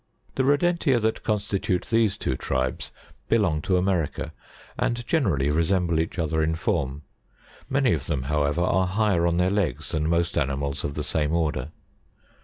65. The Rodentia that constitute these two tribes belong to America, and generally resemble each other in form ; many of them however, are higher on their, legs than most animals of the same order.